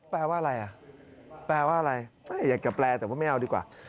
แปลว่าอะไรอ่ะแปลว่าอะไรอยากจะแปลแต่ว่าไม่เอาดีกว่า